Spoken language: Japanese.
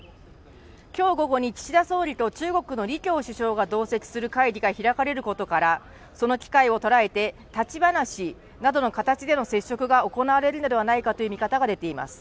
きょう午後に岸田総理と中国の李克強首相が同席する会議が開かれることからその機会を捉えて立ち話などの形での接触が行われるのではないかという見方が出ています